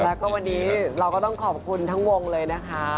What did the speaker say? แล้วก็วันนี้เราก็ต้องขอบคุณทั้งวงเลยนะคะ